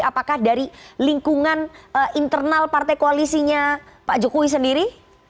apakah dari lingkungan internal partai koalisinya pak jokowi sendiri